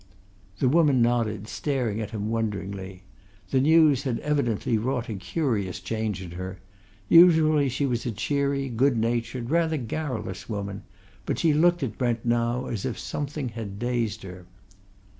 The woman nodded, staring at him wonderingly. The news had evidently wrought a curious change in her; usually, she was a cheery, good natured, rather garrulous woman, but she looked at Brent now as if something had dazed her.